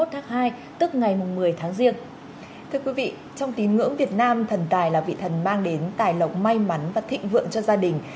thưa quý vị trong tín ngưỡng việt nam thần tài là vị thần mang đến tài lộc may mắn và thịnh vượng cho gia đình